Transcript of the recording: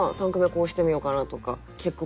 こうしてみようかなとか。